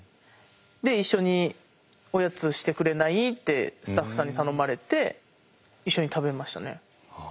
で「一緒におやつしてくれない？」ってスタッフさんに頼まれて一緒に食べましたね。